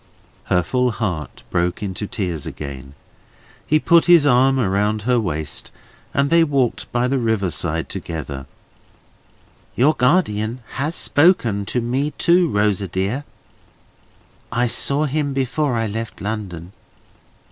Her full heart broke into tears again. He put his arm about her waist, and they walked by the river side together. "Your guardian has spoken to me too, Rosa dear. I saw him before I left London."